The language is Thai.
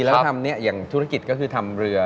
แล้วก็ทำอย่างธุรกิจก็คือทำเรือ